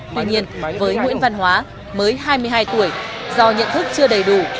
tuy nhiên với nguyễn văn hóa mới hai mươi hai tuổi do nhận thức chưa đầy đủ